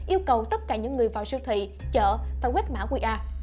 yêu cầu tất cả những người vào siêu thị chợ phải quét mã qr